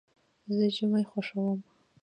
زه ژمی خوښوم.